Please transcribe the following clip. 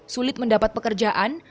sulit mendapat pekerjaan